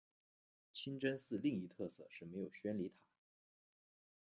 清真寺另一特色是没有宣礼塔。